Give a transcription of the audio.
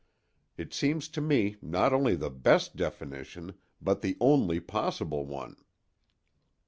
It seems to me not only the best definition, but the only possible one.